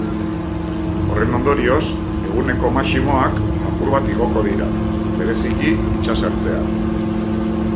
Horren ondorioz, eguneko maximoak apur bat igoko dira, bereziki itsasertzean.